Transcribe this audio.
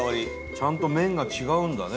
ちゃんと、麺が違うんだね